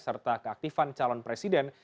serta keaktifan calon presiden